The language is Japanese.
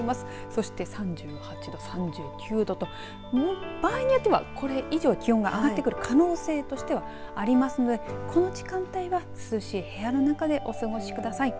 そして、３８度、３９度と場合によってはこれ以上気温が上がってくる可能性としてはありますのでこの時間帯は涼しい部屋の中でお過ごしください。